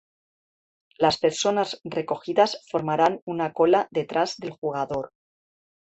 Las personas recogidas formaran una cola detrás del jugador.